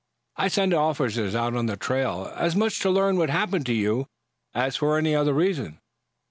"I sent officers out on the trail as much to learn what had happened to you as for any other reason.